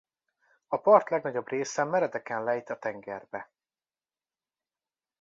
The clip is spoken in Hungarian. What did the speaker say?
A part legnagyobb része meredeken lejt a tengerbe.